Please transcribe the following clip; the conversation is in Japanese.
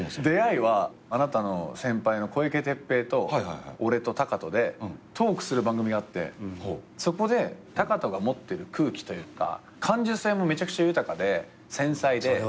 出会いはあなたの先輩の小池徹平と俺と学仁でトークする番組があってそこで学仁が持ってる空気というか感受性もめちゃくちゃ豊かで繊細で。